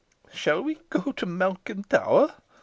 ] "Shall we go to Malkin Tower?"